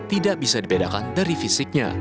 tidak bisa dibedakan dari fisiknya